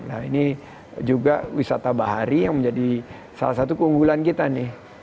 nah ini juga wisata bahari yang menjadi salah satu keunggulan kita nih